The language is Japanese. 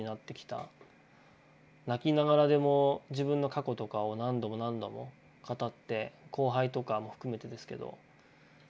泣きながらでも自分の過去とかを何度も何度も語って後輩とかも含めてですけどそういう経験がやっぱあったからこそ